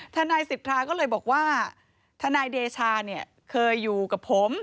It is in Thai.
ธนายศิษยาก็เลยบอกว่าธนายเดชาเคยอยู่กับผม